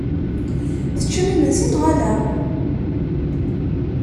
Teččam imensi neɣ ala?